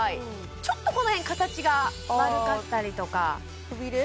ちょっとこの辺形が悪かったりとかくびれ？